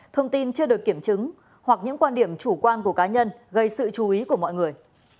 thông tin chưa được kiểm chứng hoặc những quan điểm chủ quan của cá nhân gây sự chú ý của mọi người